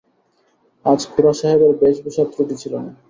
আজ খুড়াসাহেবের বেশভূষার ত্রুটি ছিল না।